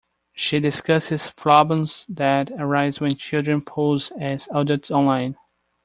She discusses problems that arise when children pose as adults online.